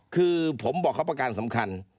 คือผมบอกเขาประการสำคัญ